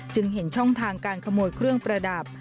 เห็นช่องทางการขโมยเครื่องประดับ